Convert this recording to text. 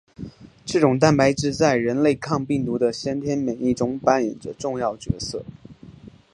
这种蛋白质在人类抗病毒的先天免疫中扮演着重要角色。